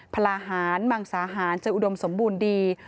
พลาหารมังสาหารจะอุดมสมบูรณ์ดี